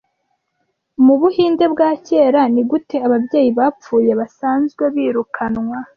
Mubuhinde bwa kera nigute ababyeyi bapfuye basanzwe birukanwa